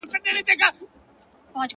• څنگه خوارې ده چي عذاب چي په لاسونو کي دی.